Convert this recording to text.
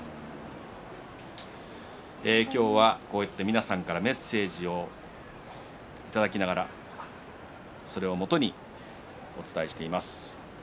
今日は、こうやって皆さんからメッセージをいただきながらそれをもとにお伝えしています。